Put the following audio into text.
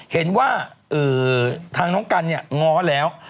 เห็นว่าทางน้องกันเนี่ยง้อแล้ว